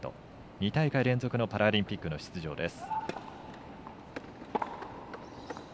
２大会連続のパラリンピックの出場です。